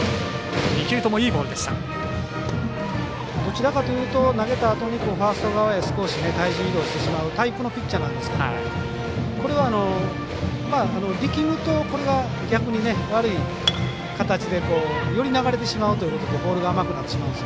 どちらかというと投げたあとにファースト側へ少し体重移動してしまうタイプのピッチャーなんですけどこれは力むと、これが逆に悪い形でより流れてしまうというところでボールがワンアウトです。